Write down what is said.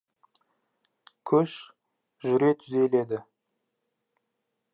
Көш жүре түзеледі.